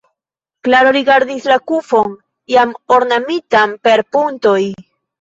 Klaro rigardis la kufon jam ornamitan per puntoj.